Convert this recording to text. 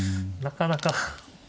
なかなか。